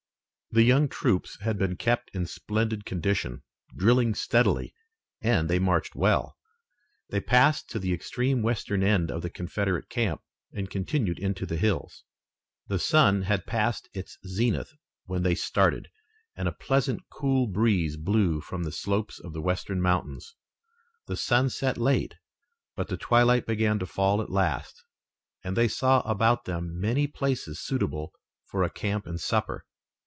The young troops had been kept in splendid condition, drilling steadily, and they marched well. They passed to the extreme western end of the Confederate camp, and continued into the hills. The sun had passed its zenith when they started and a pleasant, cool breeze blew from the slopes of the western mountains. The sun set late, but the twilight began to fall at last, and they saw about them many places suitable for a camp and supper.